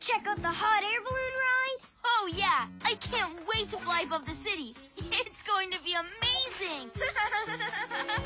ハハハハハ。